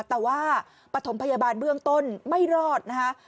แต่ว่าปฐมพยาบาลเบื้องต้นไม่รอดนะคะ